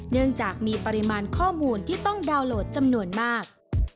เนื่องจากมีปริมาณข้อมูลที่ต้องดาวน์โหลดจำนวนมาก